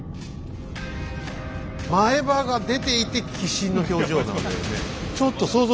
前歯が出ていて鬼神の表情なんだよね。